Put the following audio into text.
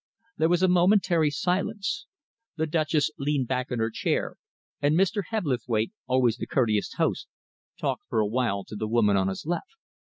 There was a momentary silence. The Duchess leaned back in her chair, and Mr. Hebblethwaite, always the courteous host, talked for a while to the woman on his left.